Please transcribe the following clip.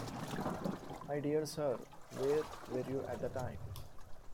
My dear sir, where were you at the time?